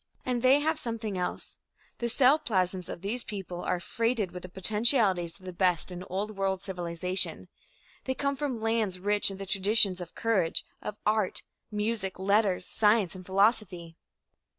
And they have something else. The cell plasms of these peoples are freighted with the potentialities of the best in Old World civilization. They come from lands rich in the traditions of courage, of art, music, letters, science and philosophy.